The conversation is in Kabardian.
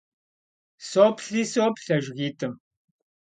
Соплъри соплъ а жыгитӀым.